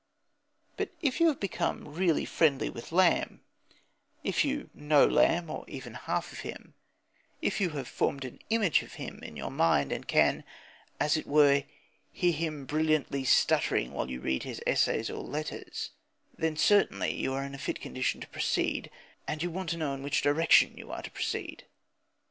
But if you have become really friendly with Lamb; if you know Lamb, or even half of him; if you have formed an image of him in your mind, and can, as it were, hear him brilliantly stuttering while you read his essays or letters, then certainly you are in a fit condition to proceed and you want to know in which direction you are to proceed.